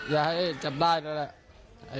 อย่าให้จับได้แล้วล่ะ